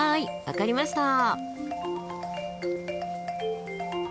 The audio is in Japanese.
分かりました。